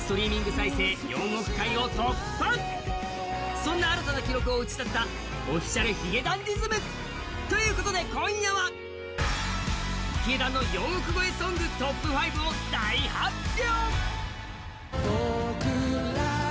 そんな新たな記録を打ち立てたＯｆｆｉｃｉａｌ髭男ｄｉｓｍ、ということで今夜は、ヒゲダンの４億超えソングトップ５を大発表。